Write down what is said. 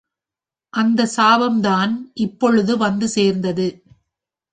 அந்தச் சாபம்தான் இப்பொழுது வந்து சேர்ந்தது.